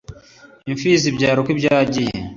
Impfizi ibyara uko ibyagiye.